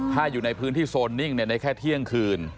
ถ้าอยู่ในพื้นที่โซนนิ่งในแค่เที่ยงคืน